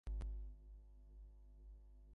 Dead bodies in the south.